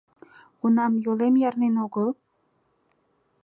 Кунам йолем ярнен огыл?